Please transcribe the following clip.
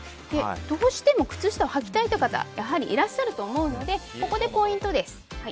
どうしても靴下をはきたいという方いらっしゃると思うのでここでポイントです。